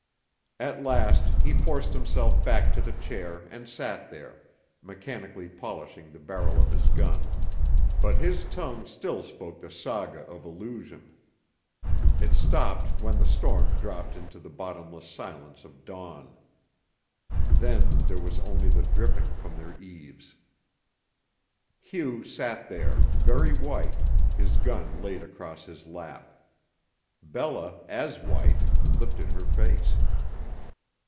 At last he forced himself back to the chair and sat there, mechanically polishing the barrel of his gun, but his tongue still spoke the saga of illusion. It stopped when the storm dropped into the bottomless silence of dawn. Then there was only the dripping from their eaves. Hugh sat there, very white, his gun laid across his lap. Bella, as white, lifted her face.